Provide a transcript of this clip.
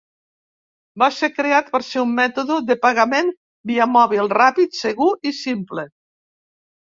Va ser creat per ser un mètode de pagament via mòbil ràpid, segur i simple.